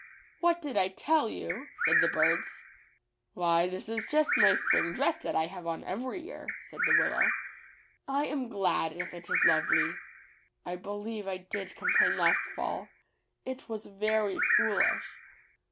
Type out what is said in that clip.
"What did I tell you?" said the birds. "Why, this is just my spring dress that I have on every year," said the Willow. "I am glad if it is lovely. I believe I did complain last fall; it was very foolish."